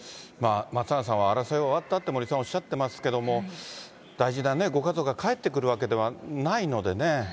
松永さんは争いは終わったって森さん、おっしゃってますけども、大事なご家族がかえってくるわけではないのでね。